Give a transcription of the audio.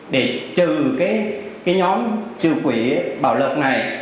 để trừ cái nhóm trừ quỷ bảo lộc này